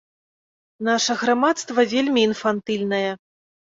Наша грамадства вельмі інфантыльнае.